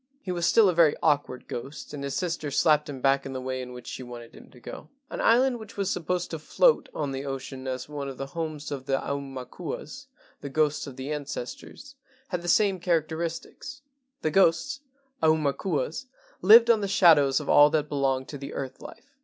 He was still a very awkward ghost, and his sister slapped him back in the way in which she wanted him to go. An island which was supposed to float on the ocean as one of the homes of the aumakuas (the ghosts of the ancestors) had the same characteris¬ tics. The ghosts (aumakuas) lived on the shadows of all that belonged to the earth life.